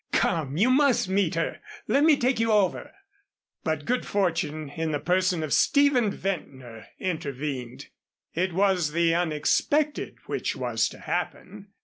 Come, you must meet her. Let me take you over." But good fortune in the person of Stephen Ventnor intervened. It was the unexpected which was to happen.